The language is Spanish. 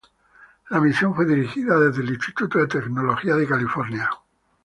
La misión fue dirigida desde el Instituto de Tecnología de California.